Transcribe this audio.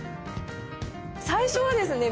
最初はですね